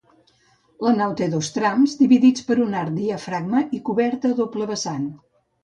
La nau té dos trams, dividits per un arc diafragma i coberta a doble vessant.